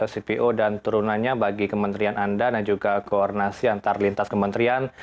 cpo dan turunannya bagi kementerian anda dan juga koordinasi antar lintas kementerian